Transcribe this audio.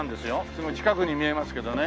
すごい近くに見えますけどね。